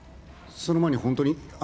その前に本当に？